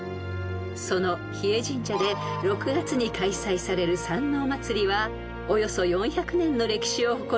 ［その日枝神社で６月に開催される山王祭はおよそ４００年の歴史を誇る祭礼］